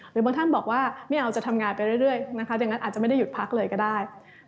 หรือบางท่านบอกว่าไม่เอาจะทำงานไปเรื่อยนะคะดังนั้นอาจจะไม่ได้หยุดพักเลยก็ได้